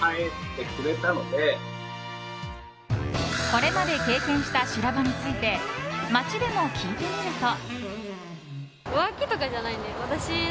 これまで経験した修羅場について街でも聞いてみると。